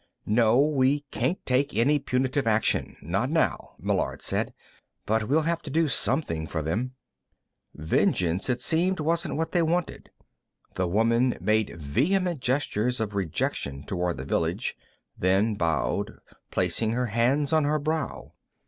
"No; we can't take any punitive action. Not now," Meillard said. "But we'll have to do something for them." Vengeance, it seemed, wasn't what they wanted. The woman made vehement gestures of rejection toward the village, then bowed, placing her hands on her brow.